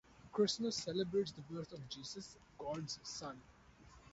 Christmas celebrates the birth of Jesus, God's son.